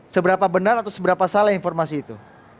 seberapa benar atau seberapa salah informasi itu